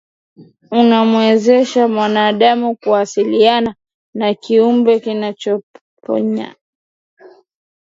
unamwezesha wanadamu kuwasiliana na kiumbe kinachomponya